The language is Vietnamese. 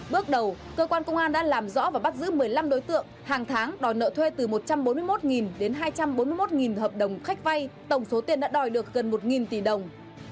bước đầu cơ quan công an đã làm rõ và bắt giữ một mươi năm đối tượng hàng tháng đòi nợ thuê từ một trăm bốn mươi một đến hai trăm bốn mươi một hợp đồng khách vay tổng số tiền đã đòi được gần một tỷ đồng